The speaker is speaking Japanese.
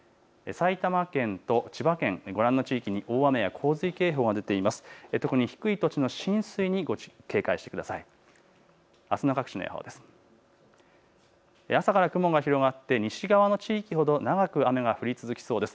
埼玉県と千葉県、ご覧の地域に大雨や洪水警報が出ています。